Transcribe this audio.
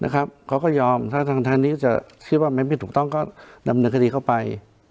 เขาก็ยอมถ้าทางนี้จะคิดว่ามันไม่ถูกต้องก็ดำเนินคดีเข้าไป